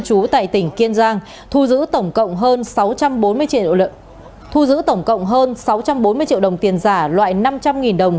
chú tại tỉnh kiên giang thu giữ tổng cộng hơn sáu trăm bốn mươi triệu đồng tiền giả loại năm trăm linh đồng